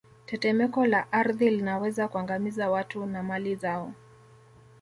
Tetemeko la ardhi linaweza kuangamiza watu na mali zao